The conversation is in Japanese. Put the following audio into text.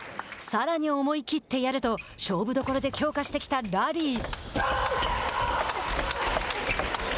さらに思い切ってやると勝負どころで強化してきたラリー。